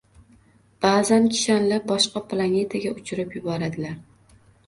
Ba’zan kishanlab, boshqa planetaga “uchirib” yuboradilar.